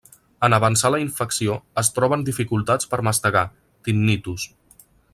En avançar la infecció es troben dificultats per mastegar, tinnitus.